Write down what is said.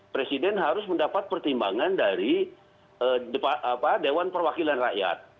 presiden harus mendapat pertimbangan dari dewan perwakilan rakyat